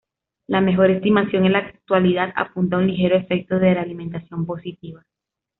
La mejor estimación en la actualidad apunta a un ligero efecto de realimentación positiva.